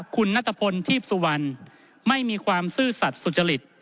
คุณนัทพลทีพสุวรรณไม่มีความซื่อสัตว์สุจริต